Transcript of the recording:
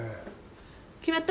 決まった？